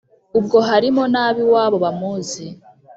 Ubwo harimo n'ab'iwabo bamuzi,